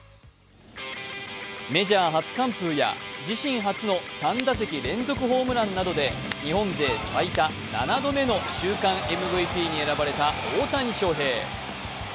メジャー初完封や自身初の３打席連続ホームランなどで日本勢最多７度目の週間ＭＶＰに選ばれた大谷翔平。